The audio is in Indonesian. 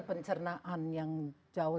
pencernaan yang jauh